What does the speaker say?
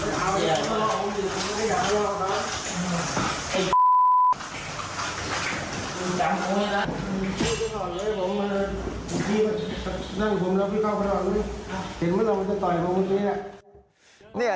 หยอดหยอดมือเที่ย